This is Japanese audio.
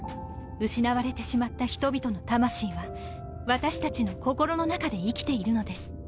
失われてしまった人々の魂は私たちの心の中で生きているのです。